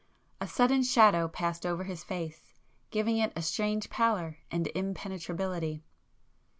A sudden shadow passed over his face, giving it a strange pallor and impenetrability.